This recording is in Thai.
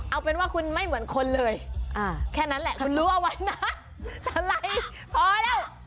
เอาเป็นว่าคุณไม่เหมือนคนเลยแค่นั้นแหละคุณรู้เอาไว้นะอะไรพอแล้ว